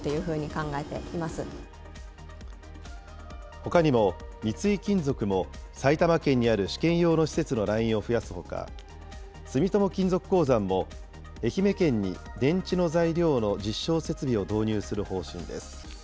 ほかにも三井金属も、埼玉県にある試験用の施設のラインを増やすほか、住友金属鉱山も愛媛県に電池の材料の実証設備を導入する方針です。